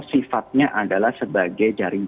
sifatnya adalah sebagai jaring